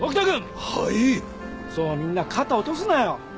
そうみんな肩落とすなよ。